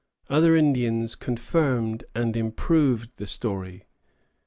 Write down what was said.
Other Indians confirmed and improved the story.